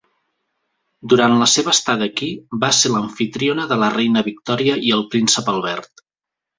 Durant la seva estada aquí, va ser l'amfitriona de la Reina Victòria i el Príncep Albert.